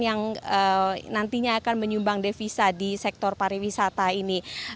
yang nantinya akan menyumbang devisa di sektor pariwisata ini